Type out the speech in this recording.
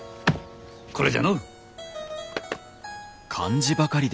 これじゃのう。